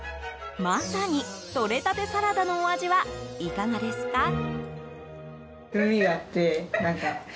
まさに、とれたてサラダのお味はいかがですか？